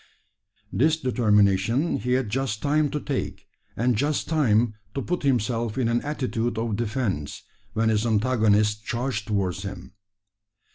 This determination he had just time to take, and just time to put himself in an attitude of defence, when his antagonist charged towards him.